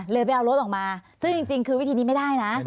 เลยไปเอารถออกมาซึ่งจริงคือวิธีนี้ไม่ได้นะ